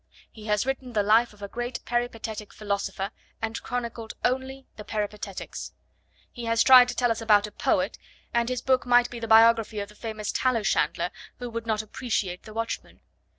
He has written the life of a great peripatetic philosopher and chronicled only the peripatetics. He has tried to tell us about a poet, and his book might be the biography of the famous tallow chandler who would not appreciate the Watchman.